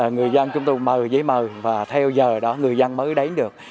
người dân chúng tôi mờ giấy mờ và theo giờ đó người dân mới đánh được